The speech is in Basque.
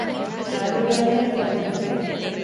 Ahal dudanean joaten naiz.